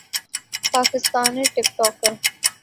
Pakistani ٹک talker